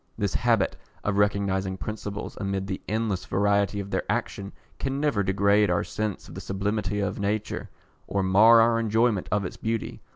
This habit of recognising principles amid the endless variety of their action can never degrade our sense of the sublimity of nature, or mar our enjoyment of its beauty.